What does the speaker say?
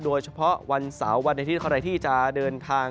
โดยเฉพาะวันเสาร์วันอาทิตย์ใครที่จะเดินทาง